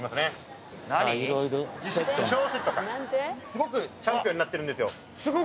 すごくチャンピオンになってる？